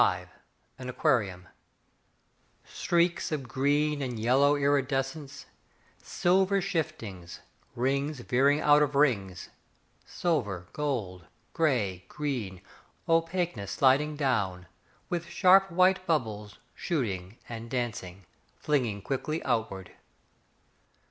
V An Aquarium Streaks of green and yellow iridescence, Silver shiftings, Rings veering out of rings, Silver gold Grey green opaqueness sliding down, With sharp white bubbles Shooting and dancing, Flinging quickly outward.